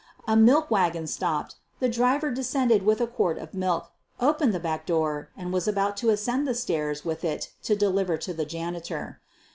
A milk wagon stopped, the driver de scended with a quart of milk, opened the back door, and was about to ascend the stairs with it to deliver to the janitor.